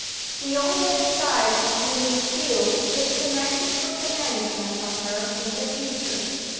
The only anxiety you need feel is connected with the management of her in the future.